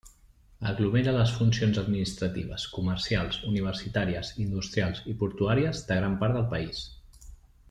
Aglomera les funcions administratives, comercials, universitàries, industrials i portuàries de gran part del país.